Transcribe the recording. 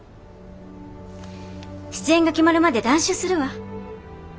出演が決まるまで断酒するわ。